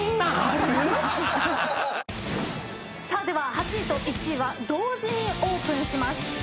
では８位と１位は同時にオープンします。